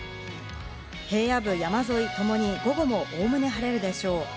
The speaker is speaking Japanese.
平野部、山沿いともに午後も概ね晴れるでしょう。